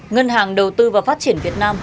ngân hàng đầu tư và phát triển việt nam